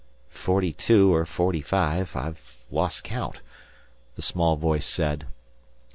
"Forty two or forty five. I've lost count," the small voice said.